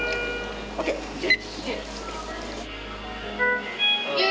ＯＫ！